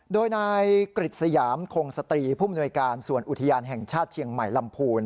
โดยนายกฤษยามคงสตรีผู้มนวยการส่วนอุทยานแห่งชาติเชียงใหม่ลำพูน